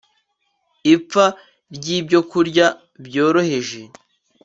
ipfa ryi byokurya byoroheje